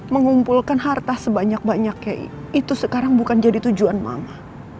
mengumpulkan harta sebanyak banyaknya itu sekarang bukan jadi tujuan mama